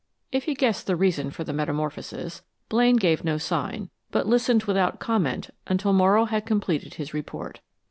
If he guessed the reason for the metamorphosis, Blaine gave no sign, but listened without comment until Morrow had completed his report.